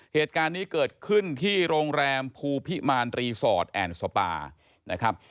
เหตุการณ์นี้เกิดขึ้นที่โรงแรมภูพิมารรีสอร์ทแอนด์สปานะครับ